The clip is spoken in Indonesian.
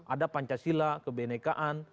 ada pancasila kebenekaan